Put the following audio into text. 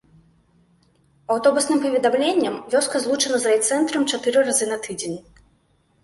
Аўтобусным паведамленнем вёска злучана з райцэнтрам чатыры разы на тыдзень.